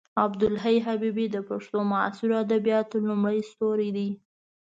عبدالحی حبیبي د پښتو معاصرو ادبیاتو لومړی ستوری دی.